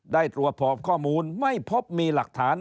ได้ตรวจสอบข้อมูลไม่พบมีหลักฐาน